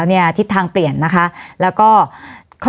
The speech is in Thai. วันนี้แม่ช่วยเงินมากกว่า